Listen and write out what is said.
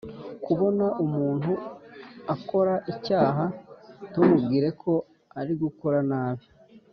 Kubona umuntu akora icyaha ntumubwire ko ari gukora nabi